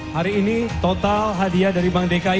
hari ini total hadiah dari bank dki